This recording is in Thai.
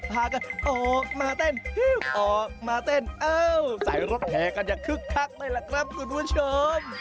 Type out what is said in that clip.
พากันออกมาเต้นออกมาเต้นเอ้าใส่รถแห่กันอย่างคึกคักเลยล่ะครับคุณผู้ชม